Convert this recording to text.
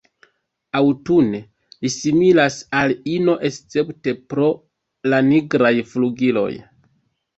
Aŭtune li similas al ino escepte pro la nigraj flugiloj.